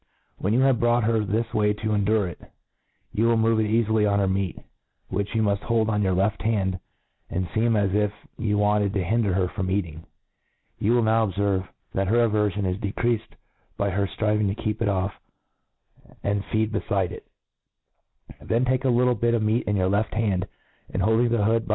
When you have brought her this way to endure it, you will move it eafily on her meat, which you miift hold on your left hand, and fcem as if you wanted to hinder her from eating. You will now obferve, that her averfion is decreafed by her ftriving to keep it off, and feed befide it; Then take a little bit of meat in .your left hand^ and holding the hood by